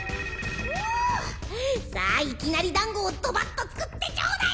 さあいきなりだんごをどばっと作ってちょうだい！